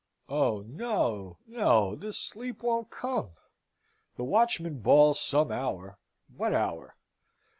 Oh no, no! The sleep won't come. The watchman bawls some hour what hour?